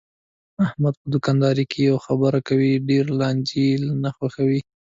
احمد په دوکاندارۍ کې یوه خبره کوي، ډېرو لانجې یې نه خوښږي.